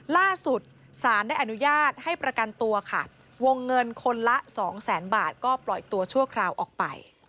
ล่าสุดสารได้อนุญาตให้ประกันตัวค่ะวงเงินคนละสองแสนบาทก็ปล่อยตัวชั่วคราวออกไป